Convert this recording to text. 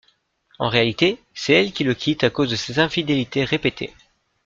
En réalité, c’est elle qui le quitte à cause de ses infidélités répétées.